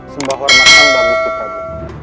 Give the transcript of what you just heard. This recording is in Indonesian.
sembah hormat anda wujud prajurit